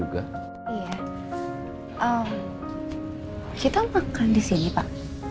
kita makan disini pak